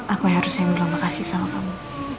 aku yang harus yang berterima kasih sama kamu